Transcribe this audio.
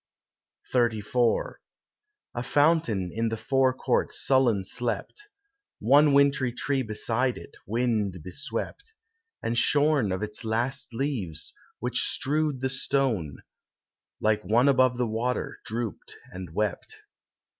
XXXIV A fountain in the forecourt sullen slept, One wintry tree beside it, wind beswept, And shorn of its last leaves, which strewed the stone, Like one above the water, drooped and wept.